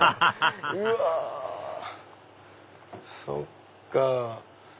そうか。